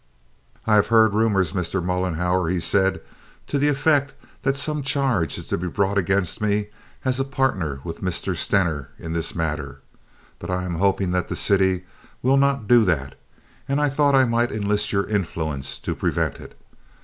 "I have heard rumors, Mr. Mollenhauer," he said, "to the effect that some charge is to be brought against me as a partner with Mr. Stener in this matter; but I am hoping that the city will not do that, and I thought I might enlist your influence to prevent it.